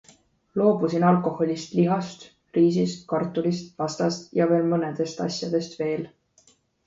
Loobusin alkoholist, lihast, riisist, kartulist, pastast ja mõnedest asjadest veel.